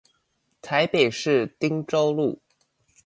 台北市汀州路